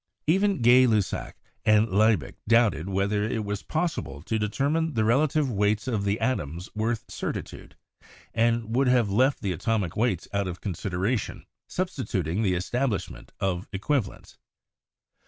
Even Gay Lussac and Liebig doubted whether it was possible to determine the relative weights of the atoms with certitude, and would have left the atomic weights out of consideration, substituting the establishment of equivalents.